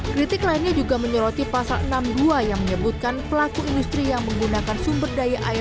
kritik lainnya juga menyoroti pasal enam puluh dua yang menyebutkan pelaku industri yang menggunakan sumber daya air